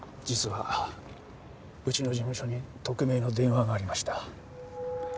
実はうちの事務所に匿名の電話がありました。